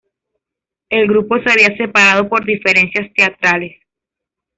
El grupo se había separado por diferencias teatrales.